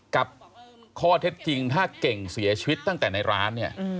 กับข้อเท็จจริงถ้าเก่งเสียชีวิตตั้งแต่ในร้านเนี่ย